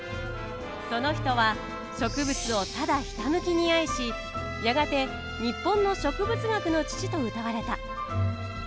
その人は植物をただひたむきに愛しやがて日本の植物学の父とうたわれた。